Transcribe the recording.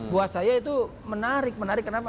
buat saya itu menarik menarik kenapa